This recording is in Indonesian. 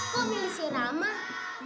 kok milih si rama